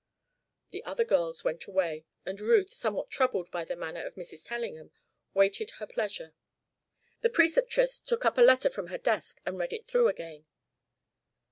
The other girls went away and Ruth, somewhat troubled by the manner of Mrs. Tellingham, waited her pleasure. The Preceptress took up a letter from her desk and read it through again.